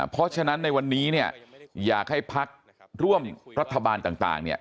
เพราะฉะนั้นในวันนี้เนี่ยอยากให้พักร่วมรัฐบาลต่าง